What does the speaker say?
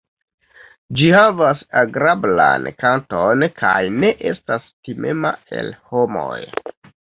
Ĝi havas agrablan kanton kaj ne estas timema el homoj.